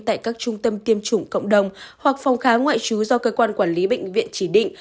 tại các trung tâm tiêm chủng cộng đồng hoặc phòng khám ngoại trú do cơ quan quản lý bệnh viện chỉ định